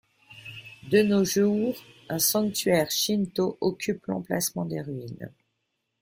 De nos jours, un sanctuaire shinto occupe l'emplacement des ruines.